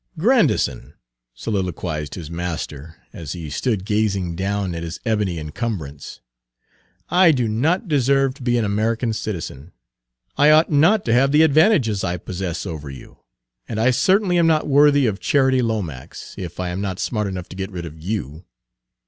"Grandison," soliloquized his master, as he stood gazing down at his ebony encumbrance, "I do not deserve to be an American citizen; I ought not to have the advantages I possess over you; and I certainly am not worthy of Charity Lomax, if I am not smart enough to get rid of you.